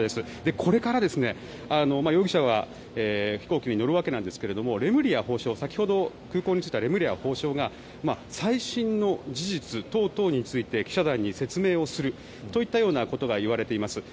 これから容疑者は飛行機に乗るわけなんですが先ほど空港に着いたレムリヤ法相が最新の事実等々について記者団に説明をするといったことが言われています。